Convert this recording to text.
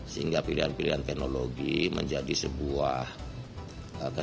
sehingga pilihan pilihan teknologi menjadi sebuah kekuatan